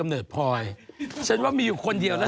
ไอหัวเก่ียดน่ะ